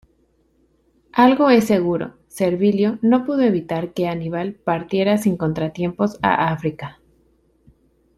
Algo es seguro: Servilio no pudo evitar que Aníbal partiera sin contratiempos a África.